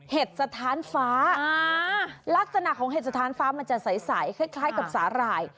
เห็ดสถานฟ้าลักษณะของเห็ดสถานฟ้ามันจะใสคล้ายกับสาหร่าย